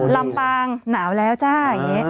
ลำปางหนาวแล้วจ้าอย่างนี้